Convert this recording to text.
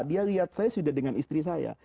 dia lihat saya sudah dengan istri saya